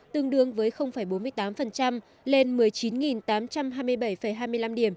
tương đương với bốn mươi tám lên một mươi chín tám trăm hai mươi bảy hai mươi năm điểm